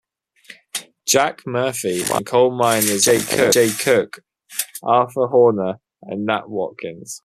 "Jack" Murphy and coal miners A. J. Cook, Arthur Horner and Nat Watkins.